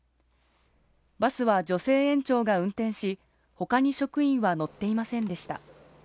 バスは女性園長が運転し、他に職員は乗っていませんでした。